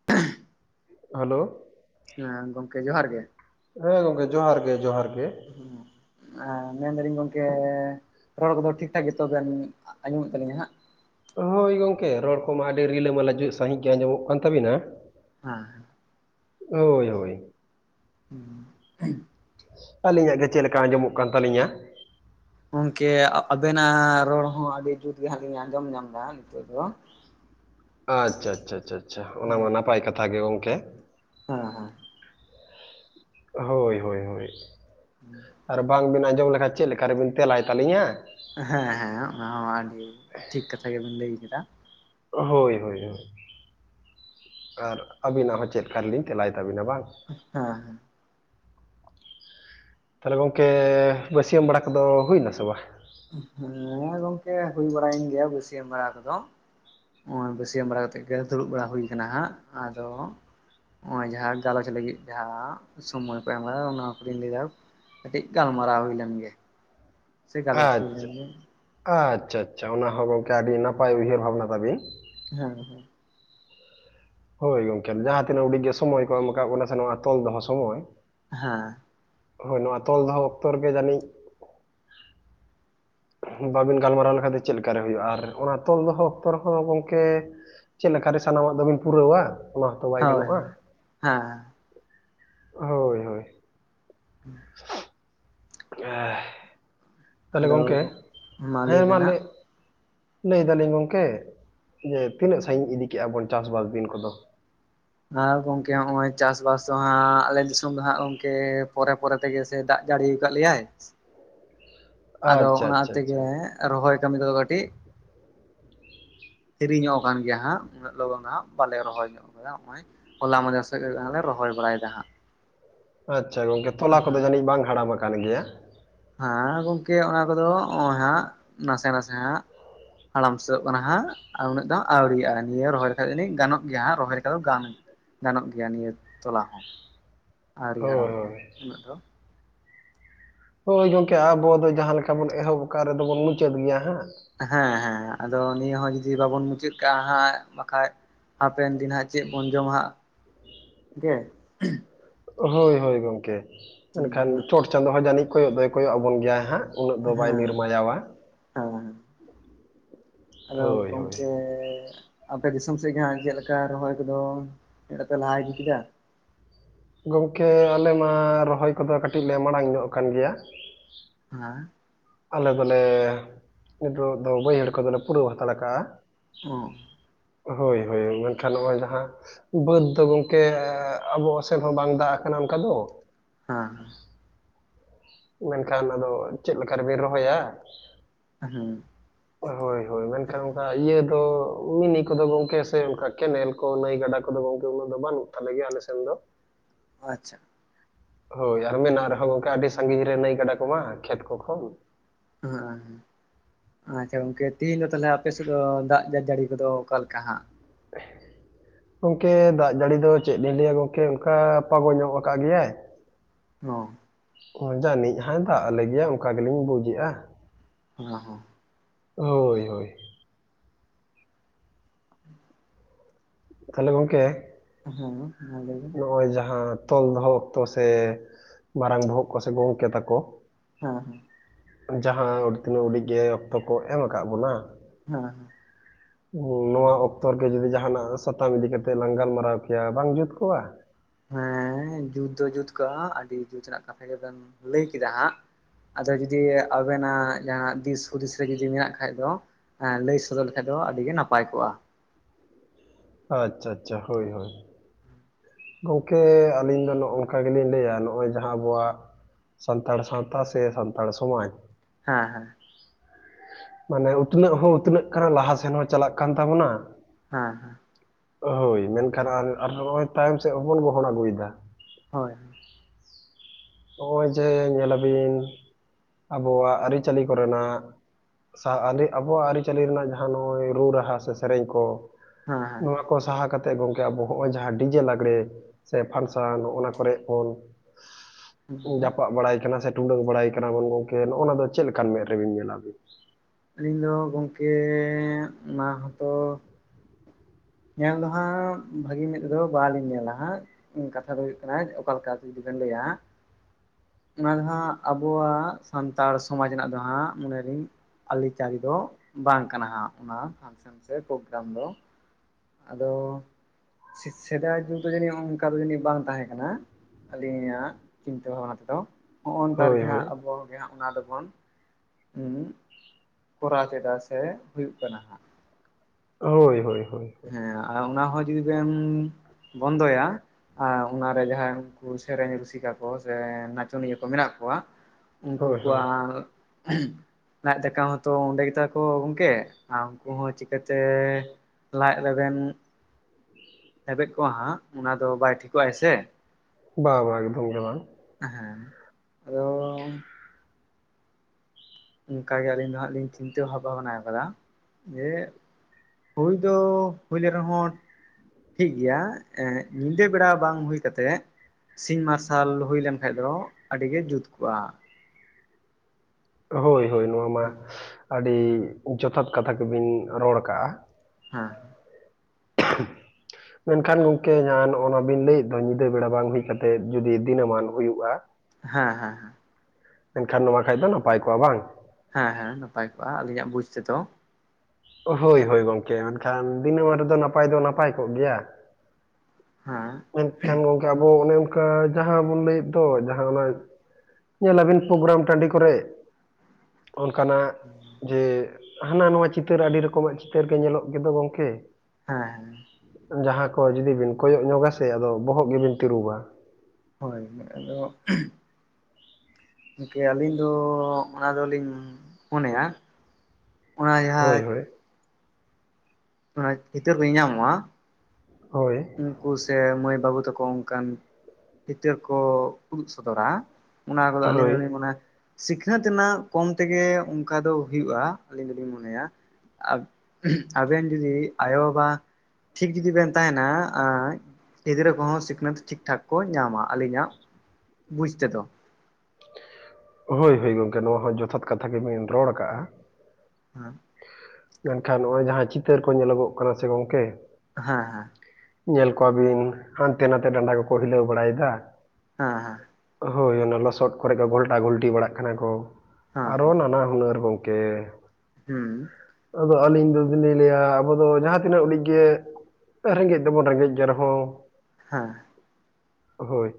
[inaudible] Hello ᱦᱮᱸ ᱜᱚᱝᱠᱮ ᱡᱚᱦᱟᱨ ᱜᱮ᱾ ᱦᱮᱸ ᱜᱚᱝᱠᱮ ᱡᱚᱦᱟᱨ ᱜᱮ ᱡᱚᱦᱟᱨ ᱜᱮ᱾ ᱟᱨ ᱢᱮᱱᱫᱟᱞᱤᱧ ᱜᱚᱝᱠᱮ, ᱨᱚᱲ ᱠᱚᱫᱚ ᱴᱷᱤᱠ ᱴᱷᱟᱠ ᱜᱮ ᱛᱚᱵᱮ ᱟᱸᱡᱚᱢᱮᱫ ᱛᱟᱹᱞᱤᱧᱟ ᱦᱟᱸᱜ᱾ ᱦᱳᱭ ᱜᱚᱝᱠᱮ ᱨᱚᱲ ᱠᱚᱢᱟ ᱟᱹᱰᱤ ᱨᱤᱞᱟᱹᱢᱟᱞᱟ ᱡᱩᱜ ᱥᱟᱺᱦᱤᱡ ᱜᱮ ᱟᱸᱡᱚᱢᱚᱜ ᱠᱟᱱ ᱛᱟᱹᱵᱤᱱᱟ᱾ ᱦᱮᱸ ᱦᱳᱭ ᱦᱳᱭ ᱦᱩᱸ ᱟᱹᱞᱤᱧᱟᱜ ᱜᱮ ᱪᱮᱫ ᱞᱮᱠᱟ ᱟᱸᱡᱚᱢᱚᱜ ᱠᱟᱱ ᱛᱟᱹᱞᱤᱧᱟ? ᱜᱚᱢᱠᱮ ᱟᱵᱮᱱᱟᱜ ᱨᱚᱲ ᱦᱚᱸ ᱟᱹᱰᱤ ᱡᱩᱛᱜᱮ ᱦᱟᱜ ᱞᱤᱧ ᱟᱸᱡᱚᱢ ᱧᱟᱢ ᱮᱫᱟ ᱱᱤᱛᱚᱜ ᱫᱚ, [inaudible] ᱟᱪᱪᱷᱟ ᱟᱪᱪᱷᱟ ᱪᱷᱟ ᱚᱱᱟ ᱢᱟ ᱱᱟᱯᱟᱭ ᱠᱟᱛᱷᱟ ᱜᱮ ᱜᱚᱝᱠᱮ᱾ ᱦᱮᱸ ᱦᱮᱸ ᱦᱳᱭ ᱦᱳᱭ ᱦᱳᱭ ᱟᱨ ᱵᱟᱝᱵᱤᱱ ᱟᱸᱡᱚᱢ ᱞᱮᱠᱷᱟᱡ ᱪᱮᱫ ᱞᱮᱠᱟ ᱨᱮᱵᱤᱱ ᱛᱮᱞᱟᱭ ᱛᱟᱞᱤᱧᱟ᱾ ᱦᱮᱸ ᱦᱮᱸ ᱚᱱᱟ ᱦᱚᱸ ᱟᱹᱰᱤ ᱴᱷᱤᱠ ᱠᱟᱛᱷᱟ ᱜᱮᱵᱮᱱ ᱞᱟᱹᱭ ᱠᱟᱫᱟ᱾ ᱦᱳᱭ ᱦᱳᱭ ᱟᱨ ᱟᱹᱵᱤᱱᱟᱜ ᱦᱚᱸ ᱪᱮᱫ ᱞᱮᱠᱟ ᱨᱮᱞᱤᱧ ᱛᱮᱞᱟᱭ ᱛᱟᱵᱤᱱᱟ ᱵᱟᱝ? ᱦᱮᱸ ᱛᱟᱦᱞᱮ ᱜᱚᱝᱠᱮ ᱵᱟᱹᱥᱭᱟᱹᱢ ᱵᱟᱲᱟ ᱠᱚᱫᱚ ᱦᱩᱭᱱᱟ ᱥᱮ ᱵᱟᱝ? ᱦᱮᱸ ᱜᱚᱝᱠᱮ ᱦᱩᱭ ᱵᱟᱲᱟᱭᱮᱱ ᱜᱮᱭᱟ ᱵᱟᱹᱥᱭᱟᱹᱢ ᱵᱟᱲᱟ ᱠᱚᱫᱚ᱾ ᱱᱚᱜ-ᱚᱭ ᱵᱟᱹᱥᱭᱟᱹᱢ ᱵᱟᱲᱟ ᱠᱟᱛᱮᱜ ᱜᱮ ᱫᱩᱲᱩᱵ ᱵᱟᱲᱟ ᱦᱩᱭ ᱟᱠᱟᱱᱟ ᱦᱟᱸᱜ ᱟᱫᱚ, ᱱᱚᱜ ᱚᱭ ᱡᱟᱦᱟᱸ ᱜᱟᱞᱚᱪ ᱞᱟᱹᱜᱤᱫ ᱡᱟᱦᱟᱸ ᱥᱚᱢᱚᱭ ᱠᱚ ᱮᱢᱫᱟ ᱚᱱᱟ ᱠᱚᱞᱤᱧ ᱞᱟᱹᱭᱟ, ᱠᱟᱹᱴᱤᱡ ᱜᱟᱞᱢᱟᱨᱟᱣ ᱦᱩᱭ ᱞᱮᱱ ᱜᱮ, ᱥᱮ ᱜᱟᱞᱚᱪ ᱦᱩᱭ ᱞᱮᱱ ᱟᱪᱪᱷᱟ ᱜᱮ ᱟᱪᱪᱷᱟ ᱟᱪᱪᱷᱟ ᱚᱱᱟ ᱦᱚᱸ ᱜᱚᱝᱠᱮ ᱟᱹᱰᱤ ᱱᱟᱯᱟᱭ ᱩᱭᱦᱟᱹᱨ ᱵᱷᱟᱵᱱᱟ ᱛᱟᱵᱤᱱ, ᱦᱮᱸ ᱦᱮᱸ, ᱦᱳᱭ ᱜᱚᱢᱠᱮ ᱡᱟᱦᱟᱸ ᱛᱤᱱᱟᱹᱜ ᱩᱰᱤᱜ ᱜᱮ ᱥᱚᱢᱚᱭ ᱠᱚ ᱮᱢ ᱟᱠᱟᱜ ᱵᱚᱱᱟ ᱥᱮ ᱛᱚᱞ ᱫᱚᱦᱚ ᱥᱚᱢᱚᱭ ᱦᱮᱸ, ᱦᱳᱭ ᱱᱚᱣᱟ ᱛᱚᱞ ᱫᱚᱦᱚ ᱚᱠᱛᱚ ᱨᱮᱜᱮ ᱡᱟᱹᱱᱤᱡ ᱵᱟᱵᱤᱱ ᱜᱟᱞᱢᱟᱨᱟᱣ ᱞᱮᱠᱷᱟᱡ ᱫᱚ ᱪᱮᱫ ᱞᱮᱠᱟᱨᱮ ᱦᱩᱭᱩᱜᱼᱟ, ᱟᱨ ᱚᱱᱟ ᱛᱚᱞ ᱫᱚᱦᱚ ᱚᱠᱛᱚ ᱨᱮᱦᱚᱸ ᱜᱚᱝᱠᱮ ᱪᱮᱫ ᱞᱮᱠᱟᱨᱮ ᱥᱟᱱᱟᱢᱟᱜ ᱫᱚ ᱵᱤᱱ ᱯᱩᱨᱟᱹᱣᱟ, ᱚᱱᱟ ᱦᱚᱛᱚ ᱵᱟᱭ ᱦᱳᱭ ᱜᱟᱱᱚᱜᱼᱟ, ᱦᱳᱭ ᱦᱮᱸ ᱦᱳᱭ ᱦᱳᱭ, [inaudible] [unintelligible] ᱛᱟᱦᱚᱞᱮ ᱜᱚᱢᱠᱮ ᱟᱫᱚ ᱦᱮᱸ ᱢᱟ ᱞᱟᱹᱭ ᱞᱟᱹᱭ ᱫᱟᱞᱤᱧ ᱜᱚᱝᱠᱮ ᱡᱮ ᱛᱤᱱᱟᱹᱜ ᱥᱟᱺᱦᱤᱧᱡ ᱤᱫᱤ ᱠᱮᱫ ᱟᱵᱚᱱ ᱪᱟᱥ ᱵᱟᱥ ᱫᱤᱱ ᱠᱚ ᱫᱚ? ᱟᱨ ᱜᱚᱝᱠᱮ ᱱᱚᱜᱼᱚᱭ ᱪᱟᱥᱵᱟᱥ ᱫᱚ ᱦᱟᱸᱜ ᱟᱞᱮ ᱫᱤᱥᱚᱢ ᱫᱚ ᱦᱟᱸᱜ ᱜᱚᱝᱠᱮ ᱯᱚᱨᱮ ᱯᱚᱨᱮ ᱛᱮᱜᱮ ᱥᱮ ᱫᱟᱜ ᱡᱟᱹᱲᱤ ᱟᱠᱟᱫ ᱞᱮᱭᱟᱭ, ᱟᱫᱚ ᱟᱪᱪᱷᱟ ᱚᱱᱟ ᱟᱪᱪᱷᱟ ᱛᱮᱜᱮ ᱟᱪᱪᱷᱟ ᱨᱚᱦᱚᱭ ᱠᱟᱹᱢᱤ ᱠᱚ ᱫᱚ ᱠᱟᱹᱴᱤᱡ ᱦᱤᱨᱤ ᱧᱚᱜ ᱟᱠᱟᱱ ᱜᱮᱭᱟ ᱦᱟᱸᱜ, ᱩᱱᱟᱹᱜ ᱞᱚᱜᱚᱱ ᱫᱚ ᱦᱟᱸᱜ ᱵᱟᱞᱮ ᱨᱚᱦᱚᱭ ᱧᱚᱜ ᱟᱠᱟᱫᱟ ᱱᱚᱜ ᱚᱭ ᱦᱚᱞᱟ ᱢᱟᱫᱷᱮᱨ [unintelligible] ᱜᱟᱱ ᱞᱮ ᱨᱚᱦᱚᱭ ᱵᱟᱲᱟᱭ ᱫᱟ ᱦᱟᱸᱜ, ᱟᱪᱪᱷᱟ ᱜᱚᱝᱠᱮ ᱛᱚᱞᱟ ᱦᱮᱸ ᱠᱚᱫᱚ ᱡᱟᱹᱱᱤᱡ ᱵᱟᱝ ᱦᱟᱲᱟᱢᱟ ᱠᱟᱱ ᱜᱮᱭᱟ, ᱦᱮᱸ ᱜᱚᱝᱠᱮ ᱚᱱᱟ ᱠᱚᱫᱚ ᱚᱭ ᱦᱟᱸᱜ ᱱᱟᱥᱮ ᱱᱟᱥᱮ ᱦᱟᱸᱜ, ᱦᱟᱲᱟᱢ ᱥᱟᱹ ᱚᱜ ᱠᱟᱱᱟ ᱦᱟᱸᱜ ᱟᱨ ᱩᱱᱟᱹᱜ ᱫᱷᱚ ᱟᱹᱣᱨᱤᱭᱟᱜᱼᱟ ᱱᱤᱭᱟᱹ ᱨᱚᱦᱚᱭ ᱞᱮᱠᱷᱟᱡ ᱫᱚ ᱡᱟᱹᱱᱤᱡ ᱜᱟᱱᱚᱜ ᱜᱮᱭᱟ ᱦᱟᱸᱜ, ᱨᱚᱦᱚᱭ ᱞᱮᱠᱷᱟ ᱫᱚ ᱜᱟᱱ ᱜᱟᱱᱚᱜ ᱜᱮᱭᱟ ᱱᱤᱭᱟᱹ ᱛᱚᱞᱟ ᱦᱚᱸ ᱟᱹᱣᱨᱤ ᱦᱳᱭ ᱦᱟᱲᱟᱢ ᱚᱜ ᱦᱳᱭ ᱟ ᱩᱱᱟᱹᱜ ᱫᱚ, ᱦᱳᱭ ᱜᱚᱝᱠᱮ ᱟᱵᱚ ᱫᱚ ᱡᱟᱦᱟᱸ ᱞᱮᱠᱟ ᱵᱚᱱ ᱮᱦᱚᱵ ᱟᱠᱟᱫ ᱨᱮᱫᱚ ᱵᱚᱱ ᱢᱩᱪᱟᱹᱫ ᱜᱮᱭᱟ ᱦᱟᱸᱜ, ᱦᱮᱸ ᱦᱮᱸ ᱟᱫᱚ ᱱᱤᱭᱟᱹ ᱦᱚᱸ ᱡᱩᱫᱤ ᱵᱟᱵᱚᱱ ᱢᱩᱪᱟᱹᱫ ᱠᱟᱜᱼᱟ ᱦᱟᱸᱜ ᱵᱟᱠᱷᱟᱡ ᱦᱟᱯᱮᱱ ᱫᱤᱱ ᱦᱟᱸᱜ ᱪᱮᱫ ᱵᱚᱱ ᱡᱚᱢᱟᱜ ᱜᱮ, ᱦᱳᱭ ᱦᱳᱭ ᱜᱚᱝᱠᱮ ᱢᱮᱱᱠᱷᱟᱱ ᱦᱮᱸ ᱪᱚᱴ ᱪᱟᱸᱫᱳ ᱦᱚ ᱡᱟᱹᱱᱤᱡ ᱠᱚᱭᱚᱜ ᱫᱚᱭ ᱠᱚᱭᱚᱜ ᱟᱵᱚᱱ ᱜᱮᱭᱟᱭ ᱦᱟᱸᱜ, ᱩᱱᱟᱹᱜ ᱫᱚ ᱵᱟᱭ ᱦᱮᱸ ᱱᱤᱨᱢᱟᱭᱟᱣᱟ, ᱟᱫᱚ ᱦᱳᱭ ᱦᱳᱭ ᱜᱚᱝᱠᱮ ᱟᱯᱮ ᱫᱤᱥᱚᱢ ᱥᱮᱫ ᱜᱮ ᱦᱟᱸᱜ ᱪᱮᱫ ᱞᱮᱠᱟ ᱨᱚᱦᱚᱭ ᱠᱚᱫᱚ ᱪᱮᱫ ᱞᱮᱠᱟᱯᱮ ᱞᱟᱦᱟ ᱤᱫᱤ ᱠᱮᱫᱟ? ᱜᱚᱝᱠᱮ ᱟᱞᱮ ᱢᱟ ᱨᱚᱦᱚᱭ ᱠᱚᱫᱚ ᱠᱟᱹᱴᱤᱡ ᱞᱮ ᱢᱟᱲᱟᱝ ᱧᱚᱜ ᱟᱠᱟᱱ ᱜᱮᱭᱟ, ᱦᱮᱸ, ᱟᱞᱮ ᱫᱚᱞᱮ ᱱᱤᱛᱚᱜ ᱫᱚ ᱵᱟᱹᱭᱦᱟᱹᱲ ᱠᱚᱫᱚ ᱞᱮ ᱯᱩᱨᱟᱹᱣ ᱦᱟᱛᱟᱲ ᱠᱟᱜᱼᱟ, ᱚᱸ ᱦᱳᱭ ᱦᱳᱭ ᱢᱮᱱᱠᱷᱟᱱ ᱱᱚᱜᱼᱚᱭ ᱡᱟᱦᱟᱸ ᱵᱟᱹᱫ ᱫᱚ ᱜᱚᱝᱠᱮ ᱟᱵᱚᱣᱟᱜ ᱥᱮᱫ ᱦᱚᱸ ᱵᱟᱝ ᱫᱟᱜ ᱟᱠᱟᱱᱟ ᱚᱱᱠᱟ ᱫᱚ, ᱦᱮᱸ, ᱢᱮᱱᱠᱷᱟᱱ ᱟᱫᱚ ᱪᱮᱫ ᱞᱮᱠᱟ ᱨᱮ ᱵᱤᱱ ᱨᱚᱦᱚᱭᱟ? ᱦᱳᱭ ᱦᱳᱭ ᱦᱳᱭ ᱢᱮᱱᱠᱷᱟᱱ ᱦᱮᱸ ᱚᱱᱠᱟ ᱤᱭᱟᱹ ᱫᱚ ᱢᱤᱱᱤ ᱠᱚᱫᱚ ᱜᱚᱝᱠᱮ ᱥᱮ ᱚᱱᱠᱟ ᱠᱮᱱᱮᱞ ᱠᱚ ᱱᱟᱹᱭ ᱜᱟᱰᱟ ᱠᱚᱫᱚ ᱜᱚᱝᱠᱮ ᱩᱱᱟᱹᱜ ᱫᱚ ᱵᱟᱹᱱᱩᱜ ᱛᱟᱞᱮ ᱜᱮᱭᱟ ᱟᱞᱮ ᱥᱮᱱ ᱫᱚ, ᱟᱪᱪᱷᱟ, ᱦᱳᱭ ᱟᱨ ᱢᱮᱱᱟᱜ ᱨᱮᱦᱚᱸ ᱜᱚᱝᱠᱮ ᱟᱹᱰᱤ ᱥᱟᱺᱜᱤᱧ ᱨᱮ ᱱᱟᱹᱭ ᱜᱟᱰᱟ ᱠᱚ ᱢᱟ ᱠᱷᱮᱛ ᱠᱚ ᱠᱷᱚᱱ, ᱦᱮᱸ ᱦᱮᱸ, ᱟᱪᱪᱷᱟ ᱜᱚᱝᱠᱮ ᱛᱤᱦᱤᱧ ᱫᱚ ᱛᱟᱦᱚᱞᱮ ᱟᱯᱮ ᱥᱮᱫ ᱫᱚ ᱫᱟᱜ ᱡᱟᱹ ᱡᱟᱹᱲᱤ ᱠᱚᱫᱚ ᱚᱠᱟ ᱞᱮᱠᱟ ᱦᱟᱸᱜ? ᱜᱚᱝᱠᱮ ᱫᱟᱜ ᱡᱟᱹᱲᱤ ᱫᱚ ᱪᱮᱫ ᱞᱤᱧ ᱞᱟᱹᱭᱟ ᱜᱚᱝᱠᱮ ᱚᱱᱠᱟ ᱯᱟᱜᱚ ᱧᱚᱜ ᱟᱠᱟᱫ ᱜᱮᱭᱟᱭ, ᱱᱚᱸ, ᱦᱚᱸ ᱡᱟᱹᱱᱤᱡ ᱦᱟᱸᱜ ᱫᱟᱜ ᱞᱮᱫ ᱜᱤᱭᱟ ᱚᱱᱠᱟ ᱜᱮᱞᱤᱧ ᱵᱩᱡ ᱮᱜᱼᱟ, ᱦᱚᱸ ᱦᱚᱸ, ᱦᱳᱭ ᱦᱳᱭ, [inaudible] ᱛᱷᱟᱞᱮ ᱜᱚᱝᱠᱮ ᱦᱚᱸ, ᱱᱚᱜᱼᱚᱭ ᱡᱟᱦᱟᱸ ᱛᱚᱞ ᱫᱚᱦᱚ ᱚᱠᱛᱚ ᱥᱮ ᱢᱟᱨᱟᱝ ᱵᱚᱦᱚᱜ ᱠᱚ ᱥᱮ ᱜᱚᱝᱠᱮ ᱛᱟᱠᱚ ᱦᱩᱸ ᱡᱟᱦᱟᱸ ᱟᱹᱰᱤ ᱛᱤᱱᱟᱹᱜᱣᱲᱜ ᱜᱮ ᱚᱠᱛᱚ ᱠᱚ ᱮᱢ ᱟᱠᱟᱫ ᱵᱚᱱᱟ ᱦᱩᱸ ᱱᱚᱣᱟ ᱚᱠᱛᱚ ᱨᱮᱜᱮ ᱡᱩᱫᱤ ᱡᱟᱦᱱᱟᱜ ᱥᱟᱛᱟᱢ ᱤᱫᱤ ᱠᱟᱛᱮᱜ ᱞᱟᱝ ᱜᱟᱞᱢᱟᱨᱟᱣ ᱠᱮᱭᱟ ᱵᱟᱝ ᱡᱩᱛ ᱠᱚᱜ-ᱟ ᱦᱮᱸ ᱡᱩᱛ ᱫᱚ ᱡᱩᱛ ᱠᱜ-ᱟ ᱟᱹᱰᱤ ᱡᱩᱛ ᱨᱮᱱᱟᱜ ᱠᱟᱛᱷᱟ ᱜᱮᱵᱮᱱ ᱞᱟᱹᱭ ᱠᱮᱫᱟ ᱦᱟᱸᱜ ᱟᱫᱚ ᱡᱩᱫᱤ ᱟᱵᱮᱱᱟᱜ ᱡᱟᱦᱟᱸᱱᱟᱜ ᱫᱤᱥ ᱦᱩᱫᱤᱥ ᱨᱮ ᱡᱩᱫᱤ ᱢᱮᱱᱟᱜ ᱠᱷᱟ ᱫᱚ ᱞᱟᱹᱭ ᱥᱚᱫᱚᱨ ᱞᱮᱠᱷᱟᱡ ᱫᱚ ᱟᱹᱰᱤᱜᱮ ᱱᱟᱯᱟᱭ ᱠᱚᱜ-ᱟ ᱟᱪᱪᱷᱟ ᱟᱪᱪᱷᱟ ᱦᱳᱭ ᱦᱳᱭ ᱜᱚᱝᱠᱮ ᱟᱹᱞᱤᱧ ᱫᱚ ᱱᱚᱜ ᱱᱚᱝᱠᱟ ᱜᱮᱞᱤᱧ ᱞᱟᱹᱭᱟ ᱱᱚᱜ-ᱚᱭ ᱡᱟᱦᱟᱸ ᱟᱵᱚᱣᱟᱜ ᱥᱟᱱᱛᱟᱲ ᱥᱟᱶᱛᱟ ᱥᱮ ᱥᱟᱱᱛᱟᱲ ᱥᱚᱢᱟᱡ ᱦᱮᱸ ᱦᱮᱸ ᱢᱟᱱᱮ ᱩᱛᱱᱟᱹᱜ ᱦᱚᱸ ᱩᱛᱱᱟᱹᱜ ᱠᱟᱱᱟ ᱞᱟᱦᱟᱥᱮᱱ ᱦᱚᱸ ᱪᱟᱞᱟᱜ ᱠᱟᱱ ᱛᱟᱵᱚᱱᱟ ᱦᱮᱸ ᱦᱮᱸ ᱦᱳᱭ ᱢᱮᱱᱠᱷᱟᱱ ᱱᱚᱜᱚᱭ ᱛᱟᱭᱚᱢ ᱥᱮᱫ ᱦᱚᱸ ᱵᱚᱱ ᱜᱚᱦᱚᱱ ᱟᱜᱩᱭᱮᱫᱟ ᱦᱳᱭ ᱱᱚᱜᱼᱚᱭ ᱡᱮ ᱧᱮᱞ ᱟᱵᱤᱱ ᱟᱵᱚᱣᱟᱜ ᱟᱹᱨᱤᱪᱟᱹᱞᱤ ᱠᱚᱨᱮᱱᱟᱜ ᱟᱵᱚᱣᱟᱜ ᱟᱹᱨᱤᱪᱟᱹᱞᱤ ᱨᱮᱱᱟᱜ ᱡᱟᱦᱟᱸ ᱱᱚᱜ-ᱚᱭ ᱨᱩ ᱨᱟᱦᱟ ᱥᱮ ᱥᱮᱨᱮᱧ ᱠᱚ ᱦᱮᱸ ᱦᱮᱸ ᱱᱚᱣᱟ ᱠᱚ ᱥᱟᱦᱟ ᱠᱟᱛᱮᱫ ᱜᱚᱝᱠᱮ ᱟᱵᱚ ᱱᱚᱸᱚᱭ ᱡᱟᱦᱟᱸ ᱰᱤᱡᱮ ᱞᱟᱜᱜᱲᱮ ᱥᱮ ᱯᱷᱟᱱᱥᱟ ᱱᱚᱜᱼ ᱱᱟ ᱠᱚᱨᱮ ᱵᱚᱱ ᱦᱮᱸ ᱡᱟᱯᱟᱜ ᱵᱟᱲᱟᱭ ᱠᱟᱱᱟ ᱥᱮ ᱴᱩᱰᱟᱹᱠ ᱵᱟᱲᱟᱭ ᱠᱟᱱᱟᱚᱱ ᱜᱚᱝᱠᱮ ᱱᱚᱜᱚ ᱱᱚᱣᱟ ᱫᱚ ᱪᱮᱫ ᱞᱮᱠᱟᱱ ᱢᱮᱫ ᱨᱮᱵᱤᱱ ᱧᱮᱞᱟᱵᱤᱱ ᱟᱹᱞᱤᱧ ᱫᱚ ᱜᱚᱢᱠᱮ ᱚᱱᱟ ᱦᱚᱸᱛᱚ ᱧᱮᱞ ᱫᱚ ᱦᱟᱸᱜ ᱵᱷᱟᱹᱜᱤ ᱢᱮ ᱨᱮᱫᱚ ᱵᱟᱞᱤᱧ ᱧᱮᱞᱟ ᱦᱟᱸᱜ ᱠᱟᱛᱷᱟ ᱫᱚ ᱦᱩᱭᱩᱜᱭ ᱠᱟᱱᱟ ᱚᱠᱟ ᱞᱮᱠᱟᱛᱮ ᱡᱩᱚᱫᱤ ᱵᱮᱱ ᱞᱟᱹᱭᱟ ᱚᱱᱟ ᱫᱚ ᱦᱟᱸᱜ ᱟᱵᱚᱣᱟᱜ ᱥᱟᱱᱛᱟᱲ ᱥᱚᱢᱟᱡ ᱨᱮᱱᱟᱜ ᱫᱚ ᱦᱟᱸᱜ ᱢᱚᱱᱮᱫᱤᱧ ᱟᱹᱨᱤᱪᱟᱹᱞᱤ ᱫᱚ ᱵᱟᱝ ᱠᱟᱱᱟ ᱦᱟᱸᱜ ᱚᱱᱟ ᱯᱷᱟᱱᱥᱮᱱ ᱥᱮ ᱯᱨᱳᱜᱨᱟᱢ ᱫᱚ ᱟᱫᱚ ᱥᱮᱫᱟᱭ ᱡᱩᱜᱽ ᱫᱚ ᱡᱟᱹᱱᱤᱡ ᱚᱱᱠᱟ ᱫᱚ ᱡᱟᱹᱱᱤᱡ ᱵᱟᱝ ᱛᱟᱦᱮᱸ ᱠᱟᱱᱟ ᱟᱹᱞᱤᱧᱟᱜ ᱪᱤᱱᱛᱟᱹ ᱵᱷᱟᱵᱱᱟ ᱛᱮᱫᱚ ᱦᱚᱸᱜ-ᱚ ᱱᱚ ᱦᱳᱭ ᱦᱳᱭ ᱜᱮᱦᱟᱸᱜ ᱟᱵᱚ ᱜᱮ ᱦᱟᱸᱜ ᱚᱱᱟ ᱫᱚᱵᱚᱱ ᱠᱚᱨᱟᱣ ᱠᱮᱫᱟ ᱥᱮ ᱦᱩᱭᱩᱜ ᱠᱟᱱᱟ ᱦᱟᱸᱜ ᱦᱳᱭ ᱦᱳᱭ ᱦᱳᱭ ᱦᱮᱸ ᱟᱨ ᱚᱱᱟ ᱦᱚᱸ ᱡᱩᱫᱤ ᱵᱮᱱ ᱵᱚᱱᱫᱚᱭᱟ ᱟᱨ ᱚᱱᱟᱨᱮ ᱡᱟᱦᱟᱸᱭ ᱩᱱᱠᱩ ᱥᱮᱨᱮᱧ ᱨᱩᱥᱤᱠᱟ ᱠᱚ ᱥᱮ ᱱᱟᱪᱚᱱᱤᱭᱟᱹ ᱠᱚ ᱢᱮᱱᱟᱜ ᱠᱚᱣᱟ ᱩᱱᱠᱩ ᱦᱳᱭ ᱦᱳᱭ ᱠᱚᱣᱟᱜ ᱩᱦᱩ ᱞᱟᱡ ᱫᱟᱠᱟ ᱦᱚᱸᱛᱚ ᱚᱸᱰᱮ ᱜᱮᱛᱟ ᱠᱚ ᱜᱚᱝᱠᱮ ᱟᱨ ᱩᱱᱠᱩ ᱦᱚᱸ ᱪᱤᱠᱟᱹᱛᱮ ᱞᱟᱡ ᱨᱮᱵᱮᱱ ᱞᱮᱵᱮᱫ ᱠᱚᱣᱟ ᱦᱟᱸᱜ ᱚᱱᱟ ᱫᱚ ᱵᱟᱭ ᱴᱷᱤᱠᱚᱜ ᱟᱭ ᱥᱮ ᱵᱟ ᱵᱟ ᱮᱠᱫᱚᱢ ᱜᱮ ᱵᱟᱝ ᱦᱮᱸ ᱟᱫᱚ ᱚᱱᱠᱟ ᱜᱮ ᱟᱹᱞᱤᱧ ᱫᱚ ᱦᱟᱸᱜ ᱞᱤᱧ ᱪᱤᱱᱛᱟᱹ ᱵᱷᱟᱵᱱᱟ ᱠᱟᱫᱟ ᱡᱮ ᱦᱩᱭ ᱫᱚ ᱦᱩᱭ ᱞᱮᱱ ᱨᱮᱦᱚᱸ ᱴᱷᱤᱠ ᱜᱮᱭᱟ ᱮᱫ ᱧᱤᱫᱟᱹ ᱵᱮᱲᱟ ᱵᱟᱝ ᱦᱩᱭ ᱠᱟᱛᱮᱫ ᱥᱤᱧ ᱢᱟᱨᱥᱟᱞ ᱦᱩᱭ ᱞᱮᱱ ᱠᱷᱟᱡ ᱫᱚ ᱟᱹᱰᱤᱜᱮ ᱡᱩᱛ ᱠᱚᱜ-ᱟ ᱦᱳᱭ ᱦᱳᱭ ᱱᱚᱣᱟ ᱢᱟ ᱦᱮᱸ ᱟᱹᱰᱤ ᱡᱚᱛᱷᱟᱛ ᱠᱟᱛᱷᱟ ᱜᱮᱵᱤᱱ ᱨᱚᱲ ᱠᱟᱜ-ᱟ ᱦᱮᱸ [inaudible] ᱢᱮᱱᱠᱷᱟᱱ ᱜᱚᱢᱠᱮ ᱡᱟᱦᱟᱸ ᱱᱚᱜ ᱚ ᱱᱚᱣᱟ ᱵᱤᱱ ᱞᱟᱹᱭᱮᱫ ᱫᱚ ᱧᱤᱫᱟᱹ ᱵᱮᱲᱟ ᱵᱟᱝ ᱦᱩᱭ ᱠᱟᱛᱮᱫ ᱡᱩᱫᱤ ᱫᱤᱱᱟᱹᱢᱟᱱ ᱦᱩᱭᱩᱜ-ᱟ ᱦᱮᱸ ᱦᱮᱸ ᱢᱮᱱᱠᱷᱟᱱ ᱱᱚᱣᱟ ᱠᱷᱟᱡ ᱫᱚ ᱱᱟᱯᱟᱭ ᱠᱚᱜ-ᱟ ᱵᱟᱝ ᱦᱮᱸ ᱦᱮᱸ ᱱᱟᱯᱟᱭ ᱠᱚᱜ-ᱟ ᱟᱹᱞᱤᱧᱟᱜ ᱵᱩᱡᱽ ᱛᱮᱫᱚ ᱦᱳᱭ ᱦᱳᱭ ᱜᱚᱝᱠᱮ ᱢᱮᱱᱠᱷᱟᱱ ᱫᱤᱱᱟᱹᱢᱟᱱ ᱨᱮᱫᱚ ᱱᱟᱯᱟᱭ ᱫᱚ ᱱᱟᱯᱟᱭ ᱠᱚᱜ ᱜᱮᱭᱟ ᱦᱮᱸ ᱢᱮᱱᱠᱷᱟᱱ ᱜᱚᱝᱠᱮ ᱟᱵᱚ ᱚᱱᱮ ᱚᱱᱠᱟ ᱡᱟᱦᱟᱸ ᱵᱚᱱ ᱞᱟᱹᱭᱮᱫ ᱫᱚ ᱡᱟᱸᱦᱟ ᱚᱱᱟ ᱧᱮᱞᱟᱵᱤᱱ ᱯᱨᱳᱜᱨᱟᱢ ᱴᱟᱺᱰᱤ ᱠᱚᱨᱮᱫ ᱚᱱᱠᱟᱱᱟᱜ ᱡᱮ ᱦᱟᱱᱟ ᱱᱚᱣᱟ ᱪᱤᱛᱟᱹᱨ ᱟᱹᱰᱤ ᱨᱚᱠᱚᱢᱟᱜ ᱪᱤᱛᱟᱹᱨ ᱜᱮ ᱧᱮᱞᱚᱜ ᱜᱮᱫᱚ ᱜᱚᱢᱠᱮ ᱦᱮᱸ ᱦᱮ ᱡᱟᱦᱟᱸ ᱠᱚᱣᱟᱜ ᱡᱩᱫᱤ ᱵᱤᱱ ᱠᱚᱭᱚᱜ ᱧᱚᱜᱟ ᱥᱮ ᱟᱫᱚ ᱵᱚᱦᱚᱜ ᱜᱮᱵᱤᱱ ᱛᱤᱨᱩᱵᱟ ᱦᱳᱭ ᱟᱫᱚ ᱜᱚᱢᱠᱮ ᱟᱹᱞᱤᱧ ᱫᱚ ᱚᱱᱟ ᱫᱚᱞᱤᱧ ᱢᱚᱱᱮᱭᱟ ᱚᱱᱟ ᱡᱟᱦᱟᱸ ᱦᱳᱭ ᱦᱳᱭ ᱚᱱᱟ ᱪᱤᱛᱟᱹᱨ ᱫᱚ ᱧᱮᱧᱟᱢᱚᱜᱼᱟ ᱦᱳᱭ ᱩᱱᱠᱩ ᱥᱮ ᱢᱟᱹᱭ ᱵᱟᱹᱵᱩ ᱛᱟᱠᱚ ᱚᱱᱠᱟᱱ ᱪᱤᱛᱟᱹᱨ ᱠᱚ ᱩᱫᱩᱜ ᱥᱚᱫᱚᱨᱟ ᱚᱱᱟ ᱠᱚᱫᱚ ᱟᱹᱞᱤᱧ ᱦᱳᱭ ᱫᱚᱞᱤᱧ ᱢᱚᱱᱮ ᱥᱤᱠᱷᱱᱟᱹᱛ ᱨᱮᱱᱟᱜ ᱠᱚᱢ ᱛᱮᱜᱮ ᱚᱱᱠᱟ ᱫᱚ ᱦᱩᱭᱩᱜᱼᱟ ᱟᱹᱞᱤᱧ ᱫᱚᱞᱤᱧ ᱢᱚᱱᱮᱭᱟ ᱟᱵᱮᱱ ᱡᱩᱫᱤ ᱟᱭᱳᱵᱟᱵᱟ ᱴᱷᱤᱠ ᱡᱩᱫᱤ ᱵᱮᱱ ᱛᱟᱦᱮᱱᱟ [unintelligible] ᱜᱤᱫᱽᱨᱟᱹ ᱠᱚᱦᱚᱸ ᱥᱤᱠᱷᱱᱟᱹᱛ ᱴᱷᱤᱠ ᱴᱷᱟᱠ ᱠᱚ ᱧᱟᱢᱟ ᱟᱹᱞᱤᱧᱟᱜ ᱵᱩᱡᱛᱮᱫᱚ ᱦᱳᱭ ᱦᱳᱭ ᱜᱚᱢᱠᱮ ᱱᱚᱣᱟ ᱦᱚᱸ ᱡᱚᱛᱷᱟᱛ ᱠᱟᱛᱷᱟ ᱜᱮᱵᱤᱱ ᱨᱚᱲ ᱠᱟᱜᱼᱟ ᱦᱮᱸ ᱢᱮᱱᱠᱷᱟᱱ ᱱᱚᱜ ᱚᱭ ᱡᱟᱦᱟᱸ ᱪᱤᱛᱟᱹᱨ ᱠᱚ ᱧᱮᱞᱚᱜᱚᱜ ᱠᱟᱱᱟ ᱥᱮ ᱜᱚᱝᱠᱮ ᱦᱮᱸ ᱦᱮᱸ ᱧᱮᱞ ᱠᱚᱣᱟᱵᱤᱱ ᱦᱟᱱᱛᱮ ᱱᱟᱛᱮ ᱰᱟᱸᱰᱟ ᱠᱚᱠᱚ ᱦᱤᱞᱟᱹᱣ ᱵᱟᱲᱟᱭᱫᱟ ᱦᱮᱸ ᱦᱮᱸ ᱦᱳᱭ ᱚᱱᱟ ᱞᱚᱥᱚᱫ ᱠᱚᱨᱮ ᱠᱚ ᱜᱷᱚᱞᱴᱟ ᱜᱷᱩᱞᱴᱤ ᱵᱟᱲᱟᱜ ᱠᱟᱱᱟ ᱠᱚ ᱦᱮᱸ ᱟᱨᱚ ᱦᱮᱸ ᱱᱟᱱᱟ ᱦᱩᱱᱟᱹᱨ ᱜᱚᱝᱠᱮ ᱦᱩᱸ ᱟᱫᱚ ᱟᱹᱞᱤᱧ ᱫᱚ ᱵᱤᱱ ᱞᱟᱹᱭᱟ ᱟᱵᱚ ᱫᱚ ᱡᱟᱦᱟᱸᱛᱤᱱᱟᱹᱜ ᱩᱰᱤᱡ ᱜᱮ ᱨᱮᱸᱜᱮᱡ ᱜᱮᱵᱚᱱ ᱨᱮᱸᱜᱮᱡ ᱜᱮ ᱨᱮᱦᱚᱸ ᱦᱮᱸ ᱦᱳᱭ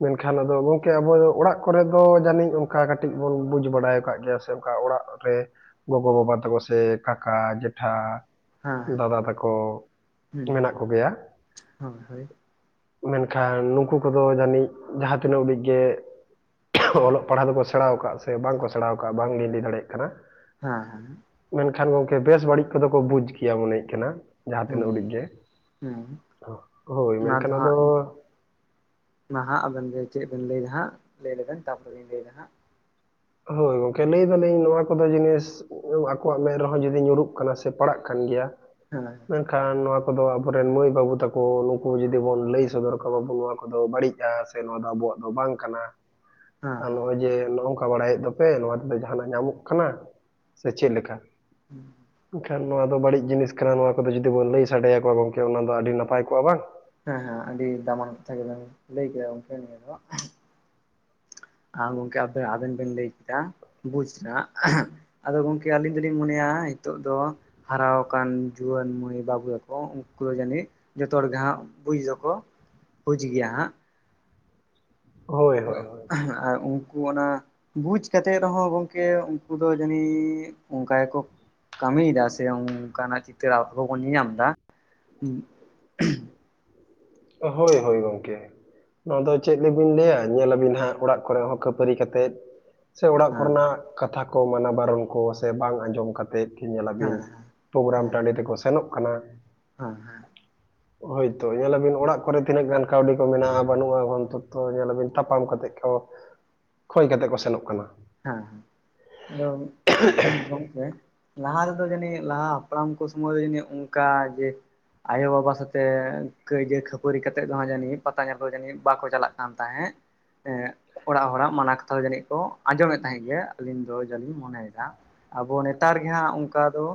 ᱢᱮᱱᱠᱷᱟᱱ ᱟᱫᱚ ᱜᱚᱝᱠᱮ ᱟᱵᱚ ᱚᱲᱟᱜ ᱠᱚᱨᱮ ᱫᱚ ᱡᱟᱹᱱᱤᱡ ᱚᱱᱠᱟ ᱠᱟᱹᱴᱤᱡ ᱵᱚᱱ ᱵᱩᱡᱽ ᱵᱟᱲᱟᱭ ᱟᱠᱟᱫ ᱜᱮᱭᱟ ᱥᱮ ᱚᱱᱠᱟ ᱜᱚᱜᱚ ᱵᱟᱵᱟ ᱛᱟᱠᱚ ᱥᱮ ᱠᱟᱠᱟ ᱡᱮᱴᱷᱟ ᱦᱮᱸ ᱫᱟᱫᱟ ᱛᱟᱠᱚ ᱦᱮᱸ ᱢᱮᱱᱟᱜ ᱠᱚᱜᱮᱭᱟ᱾ [unintelligible] ᱦᱳᱭ ᱢᱮᱱᱠᱷᱟᱱ ᱱᱩᱠᱩ ᱠᱚᱫᱚ ᱡᱟᱹᱱᱤᱡ ᱡᱟᱦᱟᱸ ᱛᱤᱱᱟᱹᱜ ᱩᱰᱤᱡ ᱜᱮ ᱚᱞᱚᱜ ᱯᱟᱲᱦᱟᱜ ᱫᱚᱠᱚ ᱥᱮᱬᱟᱣ ᱟᱠᱟᱫ ᱥᱮ ᱵᱟᱝ ᱠᱚ ᱥᱮᱬᱟ ᱟᱠᱟᱫᱼᱟ ᱵᱟᱝ ᱧᱤᱫᱟᱹᱭ ᱫᱟᱲᱮᱭᱟᱜ ᱠᱟᱱᱟ᱾ ᱦᱮᱸ ᱢᱮᱱᱠᱷᱟᱱ ᱜᱚᱢᱠᱮ ᱵᱮᱥ ᱵᱟᱹᱲᱤᱡ ᱠᱚᱫᱚ ᱠᱚ ᱵᱩᱡ ᱜᱮᱭᱟ ᱢᱚᱱᱮᱦᱩᱜᱩᱜ ᱠᱟᱱᱟ ᱡᱟᱦᱟᱸ ᱛᱤᱱᱟᱹᱜ ᱦᱚᱰᱤᱡ ᱜᱮ᱾ ᱦᱮᱸ ᱦᱳᱭ ᱚᱱᱟ ᱫᱚ ᱢᱮᱱᱠᱷᱟᱱ ᱟᱫᱚ ᱦᱟᱸᱜ ᱢᱟ ᱦᱟᱸᱜ ᱟᱵᱮᱱ ᱫᱚ ᱪᱮᱫ ᱵᱮᱱ ᱞᱟᱹᱭᱫᱟ ᱦᱟᱸᱜ ᱞᱟᱹᱭ ᱞᱮᱵᱮᱱ ᱛᱟᱯᱚᱨᱮ ᱞᱤᱧ ᱞᱟᱹᱭ ᱮᱫᱟ ᱦᱟᱸᱜ ᱦᱳᱭ ᱜᱚᱢᱠᱮ ᱞᱟᱹᱭ ᱫᱟᱞᱤᱧ ᱱᱚᱣᱟ ᱠᱚᱫᱚ ᱡᱤᱱᱤᱥ ᱟᱠᱚᱣᱟᱜ ᱢᱮᱫ ᱨᱮᱦᱚᱸ ᱡᱩᱫᱤ ᱧᱩᱨᱩᱜ ᱠᱟᱱᱟ ᱥᱮ ᱯᱟᱲᱟᱜ ᱠᱟᱱ ᱜᱮᱭᱟ᱾ ᱦᱮᱸ ᱢᱮᱱᱠᱷᱟᱱ ᱱᱚᱣᱟ ᱠᱚᱫᱚ ᱟᱵᱚᱨᱮᱱ ᱢᱟᱹᱭ ᱵᱟᱹᱵᱩ ᱛᱟᱠᱚ ᱩᱱᱠᱩ ᱡᱩᱫᱤ ᱵᱚᱱ ᱞᱟᱹᱭ ᱥᱚᱫᱚᱨ ᱠᱚᱣᱟ ᱵᱟᱵᱚ ᱱᱚᱣᱟ ᱠᱚᱫᱚ ᱵᱟᱹᱲᱤᱡᱼᱟ᱾ ᱱᱚᱣᱟ ᱫᱚ ᱟᱵᱚᱣᱟᱜ ᱫᱚ ᱵᱟᱝ ᱠᱟᱱᱟ ᱦᱮᱸ ᱱᱚᱜᱼᱚᱭ ᱡᱮ ᱱᱚᱝ ᱜᱟ ᱵᱟᱲᱟᱭᱮᱫ ᱫᱚᱯᱮ ᱱᱚᱣᱟ ᱛᱮᱫᱚ ᱡᱟᱦᱟᱱᱟᱜ ᱧᱟᱢᱚᱜ ᱠᱟᱱᱟ ᱥᱮ ᱪᱮᱫ ᱞᱮᱠᱟ? [unintelligible] ᱮᱱᱠᱷᱟᱱ ᱱᱚᱣᱟ ᱫᱚ ᱵᱟᱹᱲᱤᱡ ᱡᱤᱱᱤᱥ ᱠᱟᱱᱟ ᱱᱚᱣᱟ ᱠᱚᱫᱚ ᱡᱩᱫᱤ ᱵᱚᱱ ᱞᱟᱹᱭ ᱥᱟᱰᱮᱭᱟᱠᱚᱣᱟ ᱜᱚᱢᱠᱮ ᱚᱱᱟ ᱫᱚ ᱟᱹᱰᱤ ᱱᱟᱯᱟᱭ ᱠᱚᱜᱼᱟ ᱵᱟᱝ? ᱦᱮᱸ ᱦᱮᱸ ᱟᱹᱰᱤ ᱫᱟᱢᱟᱱ ᱠᱟᱛᱷᱟ ᱜᱮᱵᱮᱱ ᱞᱟᱹᱭ ᱠᱮᱫᱟ ᱜᱚᱢᱠᱮ ᱱᱤᱭᱟᱹ ᱫᱚ ᱟ ᱜᱚᱢᱠᱮ ᱟᱵᱮᱱ ᱵᱮᱱ ᱞᱟᱹᱭ ᱠᱮᱫᱟ ᱵᱩᱡᱽ ᱟᱫᱚ ᱜᱚᱢᱠᱮ ᱟᱹᱞᱤᱧ ᱫᱚᱞᱤᱧ ᱢᱚᱱᱮᱭᱟ ᱱᱤᱛᱚᱜ ᱫᱚ᱾ ᱦᱟᱨᱟ ᱟᱠᱟᱱ ᱡᱩᱣᱟᱹᱱ ᱢᱟᱹᱭ ᱵᱟᱹᱵᱩ ᱛᱟᱠᱚ ᱩᱱᱠᱩ ᱡᱟᱹᱱᱤᱡ ᱡᱚᱛᱚ ᱦᱚᱲ ᱜᱮ ᱦᱟᱸᱜ ᱵᱩᱡᱽ ᱫᱚᱠᱚ ᱵᱩᱡᱽ ᱜᱮᱭᱟ ᱦᱟᱸᱜ᱾ ᱦᱳᱭ ᱛᱚ ᱦᱳᱭ ᱦᱳᱭ ᱟᱨ ᱩᱱᱠᱩ ᱚᱱᱟ ᱵᱩᱡᱽ ᱠᱟᱛᱮᱫ ᱨᱮᱦᱚᱸ ᱜᱚᱢᱠᱮ ᱩᱱᱠᱩ ᱫᱚ ᱡᱟᱹᱱᱤ ᱚᱱᱠᱟ ᱜᱮ ᱠᱚ ᱠᱟᱹᱢᱤᱭᱫᱟ ᱥᱮ ᱚᱱᱠᱟᱱᱟᱜ ᱪᱤᱛᱟᱹᱨ ᱟᱵᱚ ᱵᱚᱱ ᱧᱮᱧᱟᱢ ᱮᱫᱟ᱾ ᱦᱳᱭ ᱦᱳᱭ ᱜᱚᱢᱠᱮ ᱱᱚᱣᱟ ᱫᱚ ᱪᱮᱫ ᱜᱮᱵᱤᱱ ᱞᱟᱹᱭᱟ ᱧᱮᱞ ᱟᱵᱤᱱ ᱦᱟᱸᱜ ᱚᱲᱟᱜ ᱠᱚᱨᱮ ᱦᱚᱸ ᱠᱷᱟᱹᱯᱟᱹᱨᱤ ᱠᱟᱛᱮᱜ ᱥᱮ ᱚᱲᱟᱜ ᱦᱮᱸ ᱠᱚᱨᱮᱱᱟᱜ ᱠᱟᱛᱷᱟ ᱠᱚ ᱢᱟᱱᱟ ᱵᱟᱨᱚᱱ ᱠᱚ ᱥᱮ ᱵᱟᱝ ᱟᱸᱡᱚᱢ ᱠᱟᱛᱮᱫ ᱧᱮᱞᱟᱵᱤᱱ ᱦᱮᱸ ᱯᱳᱜᱨᱟᱢ ᱦᱮᱸ ᱴᱟᱺᱰᱤ ᱛᱮᱠᱚ ᱥᱮᱱᱚᱜ ᱠᱟᱱᱟ᱾ [unintelligible] ᱦᱳᱭᱛᱚ ᱧᱮᱞᱟᱵᱤᱱ ᱚᱲᱟᱜ ᱠᱚᱨᱮ ᱛᱤᱱᱟᱹᱜ ᱜᱟᱱ ᱠᱟᱹᱣᱰᱤ ᱠᱚ ᱢᱮᱱᱟᱜᱼᱟ ᱵᱟᱹᱱᱩᱜᱼᱟ ᱜᱷᱚᱱ ᱛᱚᱛᱛᱚ ᱧᱮᱞ ᱟᱵᱤᱱ ᱛᱟᱯᱟᱢ ᱠᱟᱛᱮᱫ ᱠᱚ ᱠᱷᱚᱭ ᱠᱟᱛᱮ ᱠᱚ ᱥᱮᱱᱚᱜ ᱠᱟᱱᱟ᱾ ᱦᱮᱸ ᱦᱮᱸ ᱟᱫᱚ ᱤᱧ ᱜᱚᱢᱠᱮ ᱞᱟᱦᱟ ᱨᱮᱫᱚ ᱡᱟᱹᱱᱤᱡ ᱞᱟᱦᱟ ᱦᱟᱯᱲᱟᱢ ᱠᱚ ᱥᱚᱢᱚᱭ ᱫᱚ ᱡᱟᱹᱱᱤᱡ ᱚᱱᱠᱟ ᱡᱮ ᱟᱭᱳᱼᱵᱟᱵᱟ ᱥᱟᱛᱮ ᱠᱟᱹᱭᱡᱟᱹ ᱠᱷᱟᱹᱯᱟᱹᱨᱤ ᱠᱟᱛᱮᱜ ᱫᱚ ᱦᱟᱸᱜ ᱡᱟᱹᱱᱤᱡ ᱯᱟᱛᱟ ᱧᱮᱞ ᱠᱚᱫᱚ ᱡᱟᱹᱱᱤᱡ ᱵᱟᱠᱚ ᱪᱟᱞᱟᱜ ᱠᱟᱱ ᱛᱟᱦᱮᱸᱫ ᱮᱜ ᱚᱲᱟᱜ ᱦᱚᱲᱟᱜ ᱢᱟᱱᱟ ᱠᱟᱛᱷᱟ ᱡᱟᱹᱱᱤᱡ ᱠᱚ ᱟᱸᱡᱚᱢᱮᱫ ᱛᱟᱦᱮᱸᱫ ᱜᱮ ᱟᱹᱞᱤᱧ ᱫᱚ ᱡᱟᱞᱤᱧ ᱢᱚᱱᱮᱭᱫᱟ᱾ ᱟᱵᱚ ᱱᱮᱛᱟᱨ ᱜᱮ ᱦᱟᱸᱜ ᱚᱱᱠᱟ ᱫᱚ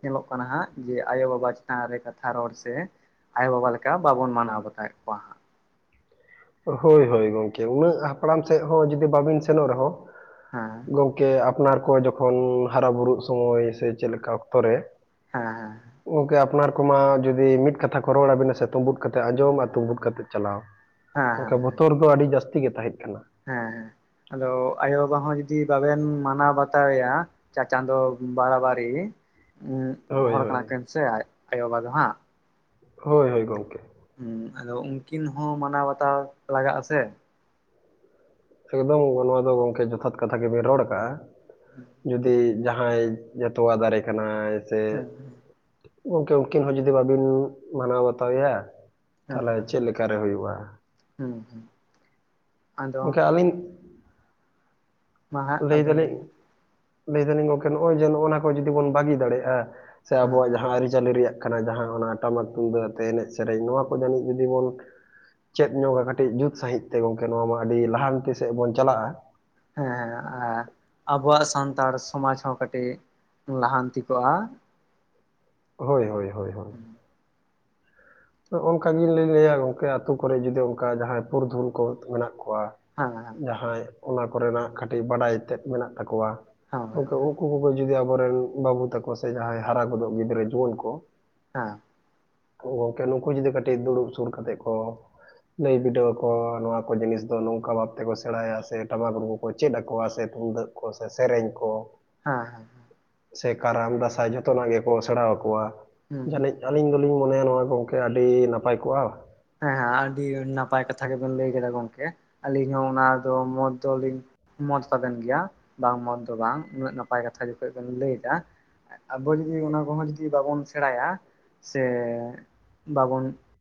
ᱧᱮᱞᱚᱜ ᱠᱟᱱᱟ ᱦᱟᱸᱜ ᱡᱮ ᱟᱭᱳᱼᱵᱟᱵᱟ ᱪᱮᱛᱟᱱ ᱨᱮ ᱠᱟᱛᱷᱟ ᱨᱚᱲ ᱥᱮ ᱟᱭᱳ ᱵᱟᱵᱟ ᱞᱮᱠᱟ ᱵᱟᱵᱚᱱ ᱢᱟᱱᱟᱣ ᱵᱟᱛᱟᱣᱮᱫ ᱠᱚᱣᱟ ᱦᱟᱸᱜ᱾ ᱦᱳᱭ ᱦᱳᱭ ᱜᱚᱢᱠᱮ ᱩᱱᱟᱹᱜ ᱦᱟᱯᱲᱟᱢ ᱥᱮᱫ ᱦᱚᱸ ᱡᱩᱫᱤ ᱵᱟᱵᱤᱱ ᱥᱮᱱᱚᱜ ᱨᱮᱦᱚᱸ ᱦᱮᱸ ᱜᱚᱢᱠᱮ ᱟᱯᱱᱟᱨ ᱠᱚ ᱡᱚᱠᱷᱚᱱ ᱦᱟᱨᱟ ᱵᱩᱨᱩᱜ ᱥᱚᱢᱚᱭ ᱥᱮ ᱪᱮᱫ ᱞᱮᱠᱟ ᱚᱠᱛᱚ ᱨᱮ ᱦᱮᱸ ᱦᱮᱸ ᱜᱚᱢᱠᱮ ᱟᱯᱱᱟᱨ ᱠᱚᱢᱟ ᱡᱩᱫᱤ ᱢᱤᱫ ᱠᱟᱛᱷᱟ ᱠᱚ ᱨᱚᱲᱟᱵᱤᱱᱟ ᱥᱮ ᱛᱩᱸᱵᱩᱫ ᱠᱟᱛᱮ ᱟᱸᱡᱚᱢ ᱟᱨ ᱛᱩᱵᱩᱫ ᱠᱟᱛᱮ ᱪᱟᱞᱟᱣ᱾ ᱦᱮᱸ ᱜᱚᱢᱠᱮ ᱦᱮᱸ ᱵᱚᱛᱚᱨ ᱫᱚ ᱟᱹᱰᱤ ᱡᱟᱹᱥᱛᱤ ᱜᱮ ᱛᱟᱦᱮᱸᱜ ᱠᱟᱱᱟ᱾ ᱦᱮᱸ ᱦᱮᱸ ᱟᱫᱚ ᱟᱭᱳ ᱵᱟᱵᱟ ᱦᱚᱸ ᱡᱩᱫᱤ ᱵᱟᱵᱮᱱ ᱢᱟᱱᱟᱣ ᱵᱟᱛᱟᱣ ᱮᱭᱟ ᱪᱟ ᱪᱟᱸᱫᱚ ᱵᱟᱨᱟ ᱵᱟᱹᱨᱤ ᱦᱳᱭ ᱦᱚᱲ ᱦᱳᱭ ᱠᱟᱱᱟ ᱠᱤᱱ ᱥᱮ ᱟᱭᱳᱼᱵᱟᱵᱟ ᱫᱚ ᱦᱟᱸᱜ ᱦᱳᱭ ᱦᱳᱭ ᱜᱚᱝᱠᱮ ᱦᱩᱸ ᱟᱫᱚ ᱩᱱᱠᱤᱱ ᱦᱚᱸ ᱢᱟᱱᱟᱣ ᱵᱟᱛᱟᱣ ᱞᱟᱜᱟᱜ ᱟᱥᱮ ᱮᱠᱫᱚᱢ ᱱᱚᱣᱟ ᱫᱚ ᱜᱚᱢᱠᱮ ᱡᱚᱛᱷᱟᱛ ᱠᱟᱛᱷᱟ ᱜᱮᱵᱤᱱ ᱨᱚᱲ ᱠᱟᱜᱼᱟ ᱡᱩᱫᱤ ᱡᱟᱦᱟᱸᱭ ᱡᱮ ᱛᱚᱣᱟ ᱫᱟᱨᱮ ᱠᱟᱱᱟᱭ ᱥᱮ ᱦᱮᱸ ᱜᱚᱝᱠᱮ ᱩᱱᱠᱤᱱ ᱦᱚᱸ ᱡᱩᱫᱤ ᱵᱟᱹᱵᱤᱱ ᱢᱟᱱᱟᱣ ᱵᱟᱛᱟᱣ ᱮᱭᱟ ᱛᱟᱦᱚᱞᱮ ᱪᱮᱫ ᱞᱮᱠᱟᱨᱮ ᱦᱩᱭᱩᱜᱼᱟ ᱦᱩᱸ ᱜᱚᱝᱠᱮ ᱟᱹᱞᱤᱧ ᱢᱟ ᱦᱟᱸᱜ ᱞᱟᱹᱭ ᱟᱵᱮᱱ ᱫᱟᱞᱤᱧ ᱜᱮᱵᱮᱱ ᱞᱟᱹᱭ ᱫᱟᱞᱤᱧ ᱜᱚᱝᱠᱮ ᱱᱚᱜᱼᱚᱭ ᱡᱮ ᱱᱚᱜ ᱚᱭ ᱱᱚᱣᱟ ᱠᱚ ᱡᱩᱫᱤ ᱵᱚᱱ ᱵᱟᱹᱜᱤ ᱫᱟᱲᱮᱭᱟᱜᱼᱟ ᱥᱮ ᱦᱮᱸ ᱟᱵᱚᱣᱟᱜ ᱡᱟᱦᱟᱸ ᱟᱹᱨᱤᱪᱟᱹᱞᱤ ᱨᱮᱭᱟᱜ ᱡᱟᱦᱟᱸ ᱚᱱᱟ ᱴᱟᱢᱟᱠ ᱛᱩᱢᱫᱟᱜ ᱟᱛᱮ ᱮᱱᱮᱡ ᱥᱮᱨᱮᱧ ᱱᱚᱣᱟ ᱠᱚ ᱡᱟᱹᱱᱤᱡ ᱡᱩᱫᱤ ᱵᱚᱱ ᱪᱮᱫ ᱧᱚᱜᱟ ᱠᱟᱹᱴᱤᱡ ᱡᱩᱛ ᱥᱟᱺᱦᱤᱡ ᱛᱮ ᱜᱚᱝᱠᱮ ᱱᱚᱣᱟ ᱢᱟ ᱟᱹᱰᱤ ᱞᱟᱦᱟᱱᱛᱤ ᱥᱮᱫ ᱵᱚᱱ ᱪᱟᱞᱟᱜᱼᱟ ᱦᱮᱸ ᱦᱮᱸ ᱟᱵᱚᱣᱟᱜ ᱥᱟᱱᱛᱟᱲ ᱥᱚᱢᱟᱡᱽ ᱦᱚᱸ ᱠᱟᱹᱴᱤᱡ ᱞᱟᱦᱟᱱᱛᱤ ᱠᱚᱜᱼᱟ ᱦᱳᱭ ᱦᱳᱭ ᱦᱳᱭ ᱦᱳᱭ ᱦᱮᱸ ᱚᱱᱠᱟ ᱜᱤᱧ ᱞᱟᱹᱭ ᱞᱮᱜᱼᱟ ᱜᱚᱝᱠᱮ ᱟᱹᱛᱩ ᱠᱚᱨᱮ ᱡᱩᱫᱤ ᱚᱱᱠᱟ ᱡᱟᱦᱟᱸᱭ ᱯᱩᱨᱩᱫᱷᱩᱞ ᱠᱚ ᱢᱮᱱᱟᱜ ᱠᱚᱣᱟ ᱦᱮᱸ ᱡᱟᱦᱟᱸᱭ ᱚᱱᱟ ᱠᱚᱨᱮᱱᱟᱜ ᱠᱟᱹᱴᱤᱡ ᱵᱟᱰᱟᱭ ᱛᱮᱫ ᱢᱮᱱᱟᱜ ᱛᱟᱠᱚᱣᱟ ᱦᱮᱸ ᱜᱚᱢᱠᱮ ᱩᱱᱠᱩ ᱠᱚᱜᱮ ᱡᱩᱫᱤ ᱟᱵᱚᱨᱮᱱ ᱵᱟᱹᱵᱩ ᱛᱟᱠᱚ ᱥᱮ ᱡᱟᱦᱟᱸᱭ ᱦᱟᱨᱟ ᱜᱚᱫᱚᱜ ᱜᱤᱫᱽᱨᱟᱹ ᱡᱩᱣᱟᱹᱱ ᱠᱚ ᱦᱮᱸ ᱦᱳᱭ ᱜᱚᱝᱠᱮ ᱱᱩᱠᱩ ᱡᱩᱫᱤ ᱠᱟᱹᱴᱤᱡ ᱫᱩᱲᱩᱵ ᱥᱩᱨ ᱠᱟᱛᱮᱜ ᱠᱚ ᱞᱟᱹᱭ ᱵᱤᱰᱟᱹᱣ ᱟᱠᱚᱣᱟ ᱱᱚᱣᱟ ᱠᱚ ᱡᱤᱱᱤᱥ ᱫᱚ ᱱᱚᱝᱠᱟ ᱵᱟᱵᱽᱛᱮ ᱠᱚ ᱥᱮᱬᱟᱭᱟ ᱥᱮ ᱴᱟᱢᱟᱠ ᱨᱩ ᱠᱚ ᱪᱮᱫ ᱟᱠᱚᱣᱟ ᱥᱮ ᱛᱩᱢᱫᱟᱹᱜ ᱠᱚ ᱥᱮ ᱥᱮᱨᱮᱧ ᱠᱚ ᱦᱮᱸ ᱦᱮᱸ ᱥᱮ ᱠᱟᱨᱟᱢ ᱫᱟᱥᱟᱭ ᱡᱷᱚᱛᱚᱱᱟᱜ ᱜᱮᱠᱚ ᱥᱮᱬᱟᱣ ᱠᱚᱣᱟ ᱦᱩᱸ ᱡᱟᱹᱱᱤᱡ ᱟᱹᱞᱤᱧ ᱫᱚᱞᱤᱧ ᱢᱚᱱᱮᱭᱟ ᱱᱚᱣᱟ ᱜᱚᱝᱠᱮ ᱟᱹᱰᱤ ᱱᱟᱯᱟᱭ ᱠᱚᱜᱼᱟ ᱦᱮᱸ ᱦᱮᱸ ᱟᱹᱰᱤ ᱱᱟᱯᱟᱭ ᱠᱟᱛᱷᱟ ᱜᱮᱵᱮᱱ ᱞᱟᱹᱭ ᱠᱮᱫᱟ ᱜᱚᱝᱠᱮ ᱟᱹᱞᱤᱧ ᱦᱚᱸ ᱚᱱᱟ ᱫᱚ ᱢᱚᱛ ᱫᱚᱞᱤᱧ ᱢᱚᱛ ᱛᱟᱵᱮᱱ ᱜᱮᱭᱟ ᱵᱟᱝ ᱢᱚᱛ ᱫᱚ ᱵᱟᱝ ᱩᱱᱟᱹᱜ ᱱᱟᱯᱟᱭ ᱠᱟᱛᱷᱟ ᱡᱚᱠᱷᱚᱡ ᱵᱮᱱ ᱞᱟᱹᱭ ᱫᱟ ᱟᱵᱚ ᱡᱩᱫᱤ ᱚᱱᱟ ᱠᱚᱦᱚᱸ ᱡᱩᱫᱤ ᱵᱟᱵᱚᱱ ᱥᱮᱬᱟᱭᱟ ᱥᱮ ᱵᱟᱵᱚᱱ